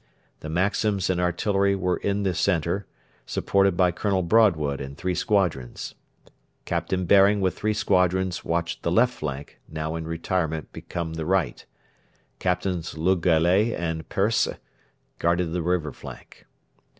The Maxims and artillery were in the centre, supported by Colonel Broadwood and three squadrons. Captain Baring with three squadrons watched the left flank, now in retirement become the right. Captains Le Gallais and Persse guarded the river flank.